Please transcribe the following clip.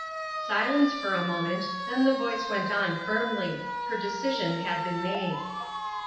Silence for a moment : then the voice went on firmly. Her decision had been made.